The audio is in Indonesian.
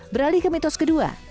beralih ke mitos kedua